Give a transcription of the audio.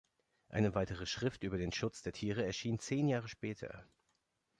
Eine weitere Schrift über den Schutz der Tiere erschien zehn Jahre später.